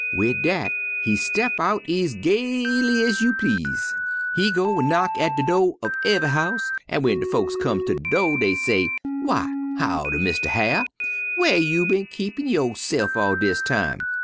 "Wid dat he step out ez gaily ez you please. He go an' knock at de do' uv ev'y house, an' w'en de folks come ter de do' dey say, 'W'y, howdy, Mistah Hyar', whar you bin keepin' yo'se'f all dis time?'